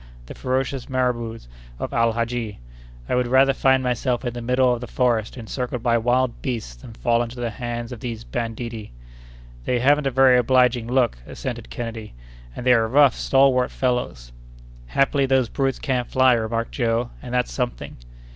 the ferocious marabouts of Al Hadji! I would rather find myself in the middle of the forest encircled by wild beasts than fall into the hands of these banditti." "They haven't a very obliging look!" assented Kennedy; "and they are rough, stalwart fellows." "Happily those brutes can't fly," remarked Joe; "and that's something."